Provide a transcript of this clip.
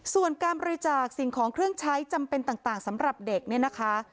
ส่วนการบริจาคสิ่งของเครื่องใช้จำเป็นต่างสำหรับเด็กเนี่ยนะคะ